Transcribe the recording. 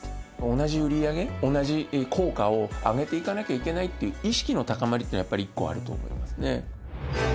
同じ売り上げ、おなじこうかを上げていかなきゃいけないっていう意識の高まりっていうのはやっぱり一個あると思いますね。